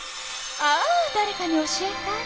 ああだれかに教えたい。